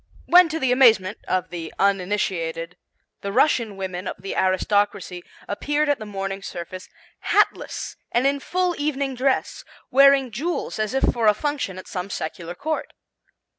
when to the amazement of the uninitiated the Russian women of the aristocracy appeared at the morning service hatless and in full evening dress, wearing jewels as if for a function at some secular court.